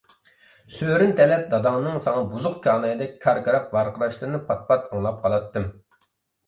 سۆرۈن تەلەت داداڭنىڭ ساڭا بۇزۇق كانايدەك كاركىراپ ۋارقىراشلىرىنى پات-پات ئاڭلاپ قالاتتىم.